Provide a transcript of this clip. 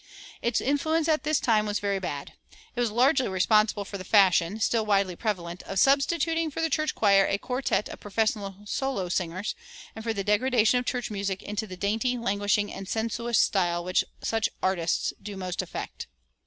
Its influence at this time was very bad. It was largely responsible for the fashion, still widely prevalent, of substituting for the church choir a quartet of professional solo singers, and for the degradation of church music into the dainty, languishing, and sensuous style which such "artists" do most affect.